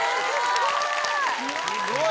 すごい！